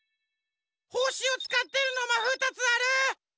ほしをつかってるのが２つある！